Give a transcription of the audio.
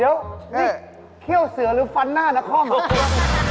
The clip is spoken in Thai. เดี๋ยวนี่เคี่ยวเสือหรือฟันหน้าน่ะข้อมือข้อมือ